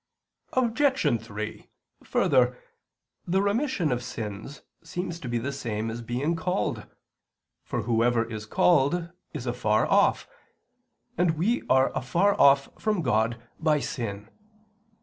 Obj. 3: Further, the remission of sins seems to be the same as being called, for whoever is called is afar off, and we are afar off from God by sin.